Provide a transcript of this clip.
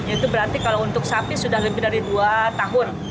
itu berarti kalau untuk sapi sudah lebih dari dua tahun